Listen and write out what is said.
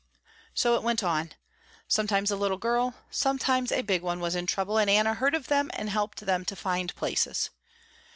So it went on. Sometimes a little girl, sometimes a big one was in trouble and Anna heard of them and helped them to find places.